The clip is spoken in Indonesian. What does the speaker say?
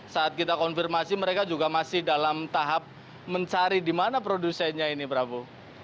saat kita konfirmasi mereka juga masih dalam tahap mencari di mana produsennya ini prabu